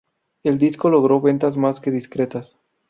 El disco logró ventas más que discretas.